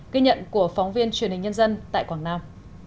ghi nhận của phóng viên truyền hình nhân dân tại quảng nam